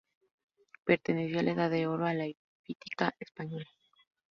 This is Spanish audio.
Perteneció a la edad de oro de la hípica española.